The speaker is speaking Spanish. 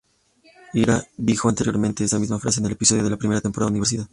Irina dijo anteriormente esa misma frase en el episodio de la primera temporada "Universidad".